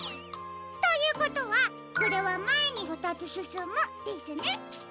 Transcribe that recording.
ということはこれはまえにふたつすすむですね。